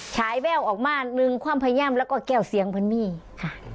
ฉายแววออกมาหนึ่งความพยายามแล้วก็แก้วเสียงพันมี่ค่ะ